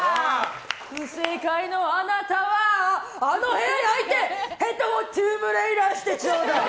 不正解のあなたはあの部屋に入ってヘッドホンをトゥームレイダーしてちょうだい。